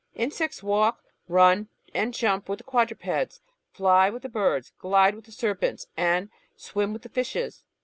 Insects walk, run, and jump with the quadrupeds, fly with the birds, glide with the serpents, and swim with the fishes.